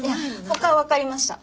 他は分かりました。